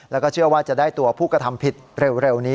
แล้วก็เชื่อว่าจะได้ตัวผู้กระทำผิดเร็วนี้